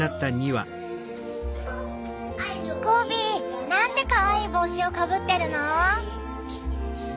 ゴビなんてかわいい帽子をかぶってるの。